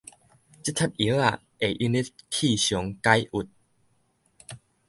這帖藥仔會用得去傷解鬱